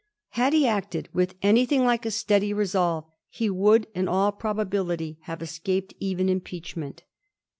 Had he acted with anything like a steady resolve he would, in all probability, have escaped even impeach ment.